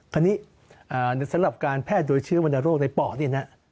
คราวนี้สำหรับการแพทย์โดยเชื้อวรรณโรคในปอดนี่นะ